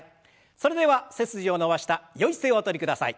それでは背筋を伸ばしたよい姿勢をおとりください。